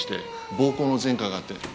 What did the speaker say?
暴行の前科があって。